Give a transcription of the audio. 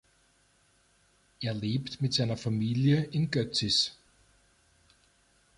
Er lebt mit seiner Familie in Götzis.